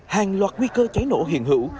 hàng loạt nguy cơ cháy nổ hiện hữu